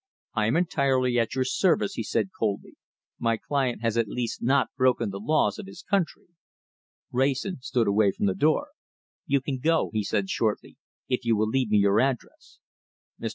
"I am entirely at your service," he said coldly. "My client has at least not broken the laws of his country." Wrayson stood away from the door. "You can go," he said shortly, "if you will leave me your address." Mr.